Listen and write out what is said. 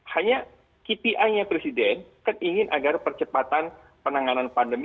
hanya kpi nya presiden kan ingin agar percepatan penanganan pandemi